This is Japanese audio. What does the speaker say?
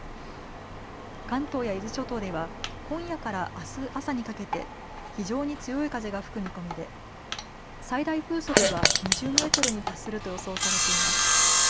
関東や伊豆諸島では今夜からあす朝にかけて非常に強い風が吹く見込みで最大風速は２０メートルに達すると予想されています。